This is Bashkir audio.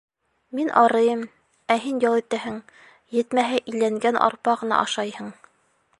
Мин арыйым, ә һин ял итәһең, етмәһә, иләнгән арпа ғына ашайһың.